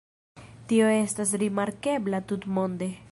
Tio estas rimarkebla tutmonde.